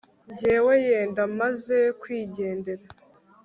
jyewe yenda maze kwigendera